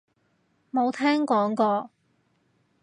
冇聽講過